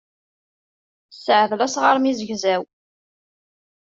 Sseɛdel asɣar mi zegzaw.